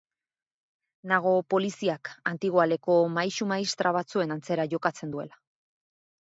Nago poliziak antigoaleko maisu-maistra batzuen antzera jokatzen duela.